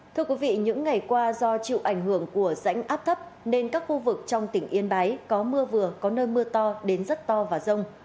thưa quý vị những ngày qua do chịu ảnh hưởng của rãnh áp thấp nên các khu vực trong tỉnh yên bái có mưa vừa có nơi mưa to đến rất to và rông